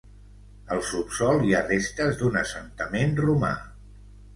Al subsòl hi ha restes d'un assentament romà.